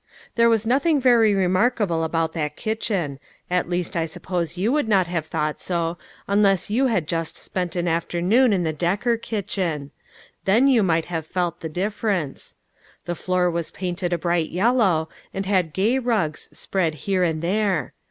There was nothing very remarkable about that kitchen. At least I suppose you would not have thought so, unless you had just spent an after noon in the Decker kitchen. Then you might have felt the difference. The floor was painted a bright yellow, and had gay rugs spread here and there.